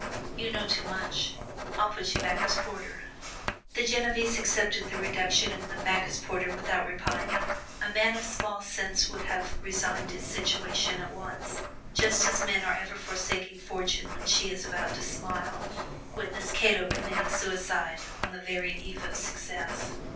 "You know too much; I'll just put you back as porter." The Genevese accepted the reduction and went back as porter without repining. A man of small sense would have resigned his situation at once, just as men are ever forsaking Fortune when she is about to smile; witness Cato committing suicide on the very eve of success.